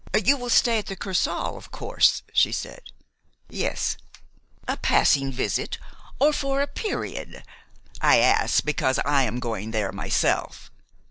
"You will stay at the Kursaal, of course?" she said. "Yes." "A passing visit, or for a period? I ask because I am going there myself."